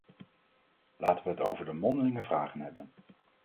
Laten we het over de mondelinge vragen hebben.